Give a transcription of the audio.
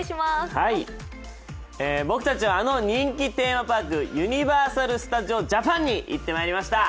僕たちはあの人気テーマパーク、ユニバーサル・スタジオ・ジャパンに行ってまいりました。